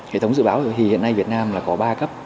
hệ thống dự báo thì hiện nay việt nam là có ba cấp